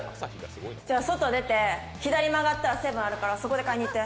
じゃ、外出て左曲がったらセブンあるからそこで買いにいって！